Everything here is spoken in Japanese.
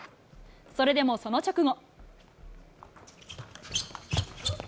それでもその直後。